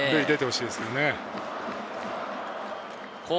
塁に出てほしいですね。